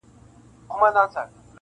د شپو په زړه کي وینمه توپان څه به کوو؟؛